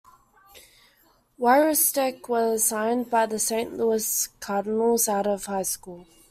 Wyrostek was signed by the Saint Louis Cardinals out of high school.